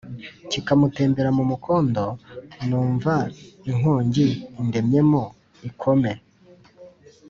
Kikamutembera mu mukondo, Numva inkongi indemyemo ikome,